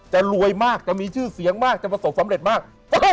จะรวยมากจะมีชื่อเสียงมากจะประสบสำเร็จมาก